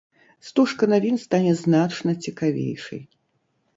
Стужка навін стане значна цікавейшай.